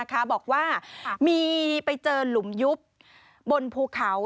นี่นะคะบอกว่ามีไปเจอหลุมยุบบนภูเขา